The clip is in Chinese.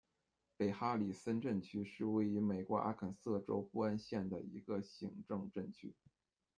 北哈里森镇区是位于美国阿肯色州布恩县的一个行政镇区。